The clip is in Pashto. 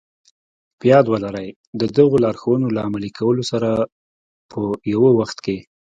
په ياد ولرئ د دغو لارښوونو له عملي کولو سره په يوه وخت کې.